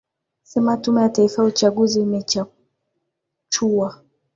sema tume ya taifa ya uchaguzi imechakachuwa